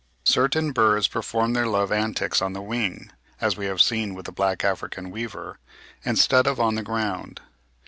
Certain birds perform their love antics on the wing, as we have seen with the black African weaver, instead of on the ground.